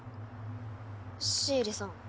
シエリさん